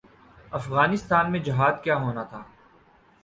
افغانستان میں جہاد کیا ہونا تھا۔